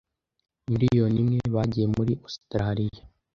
miliyoni imwe bagiye muri Australia